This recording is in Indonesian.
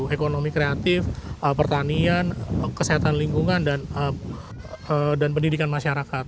ekonomi kreatif pertanian kesehatan lingkungan dan pendidikan masyarakat